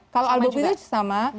kalau ini sama juga